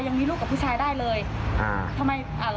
ตอนนี้หนูก็เลยได้ยินไม่ถนัด